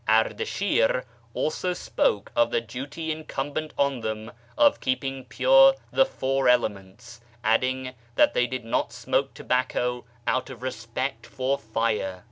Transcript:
Ardashir also spoke of the duty incumbent on them of keeping pure the lour elements, adding that they did not smoke tobacco out of respect for fire.